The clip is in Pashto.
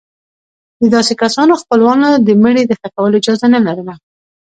د داسې کسانو خپلوانو د مړي د ښخولو اجازه نه لرله.